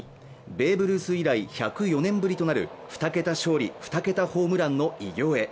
ベーブ・ルース以来１０４年ぶりとなる２桁勝利、２桁ホームランの偉業へ。